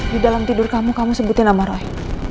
di dalam tidur kamu kamu sebutin nama roy